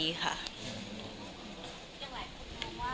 อย่างหลายคนมองว่า